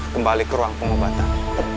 kembali ke ruang pengobatan